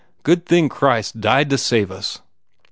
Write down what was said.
Good thing Christ died to save us."